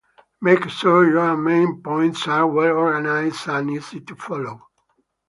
Make sure your main points are well-organized and easy to follow.